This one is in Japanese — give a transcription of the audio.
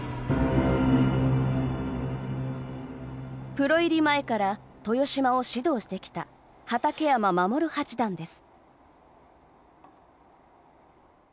プロ入り前から豊島を指導してきた畠山鎮八段です。